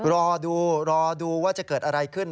รอดูรอดูว่าจะเกิดอะไรขึ้น